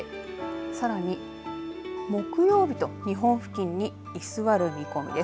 さらに木曜日と日本付近に居座る見込みです。